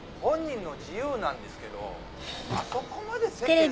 本人の自由なんですけどあそこまで世間。